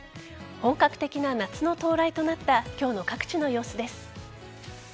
本格的な夏の到来となった今日の各地の様子です。